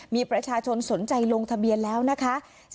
มีประชาชนสนใจลงทะเบียนแล้วนะคะ